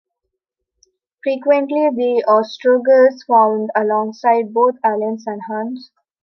Frequently the Ostrogoths fought alongside both Alans and Huns.